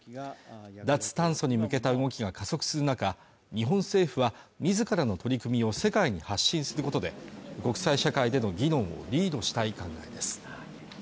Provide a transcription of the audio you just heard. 脱炭素に向けた動きが加速する中日本政府は自らの取り組みを世界に発信することで国際社会での議論をリードしたい考えです